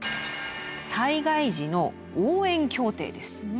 災害時の応援協定です。